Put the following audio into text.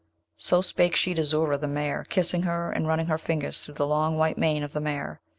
So spake she to Zoora the mare, kissing her, and running her fingers through the long white mane of the mare.